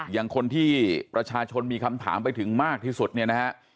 อย่างคนที่ประชาชนมีคำถามไปถึงมากที่สุดเนี่ยนะฮะ